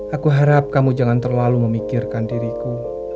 aku harap kamu jangan terlalu memikirkan diriku